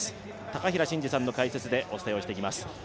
高平慎士さんの解説でお伝えします。